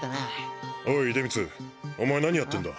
おい出光お前何やってんだ